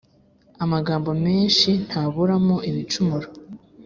amagambo menshi ntaburamo ibicumuro,